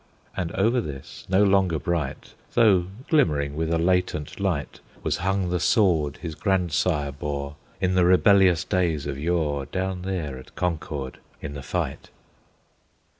And over this, no longer bright, Though glimmering with a latent light, Was hung the sword his grandsire bore, In the rebellious days of yore, Down there at Concord in the fight.